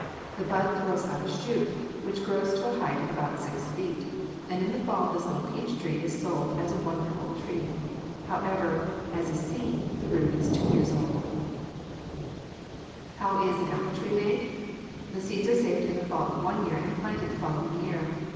The bud throws out a shoot, which grows to a height of about six feet, and in the fall this little peach tree is sold as a one year old tree. However, as is seen, the root is two years old. [Illustration: FIG. 81. READY TO BEAR] How is an apple tree made? The seeds are saved in the fall of one year and planted the following year.